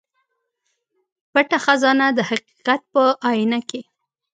پټه خزانه د حقيقت په اينه کې